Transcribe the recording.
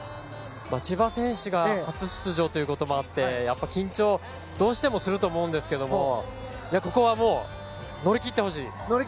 千葉選手が初出場ということもあって緊張どうしてもすると思うんですけどここはもう、乗り切ってほしい！